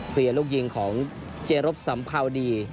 เรียนลูกยิงของเจรบสัมภาวดี